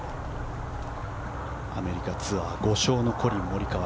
アメリカツアー５勝のコリン・モリカワ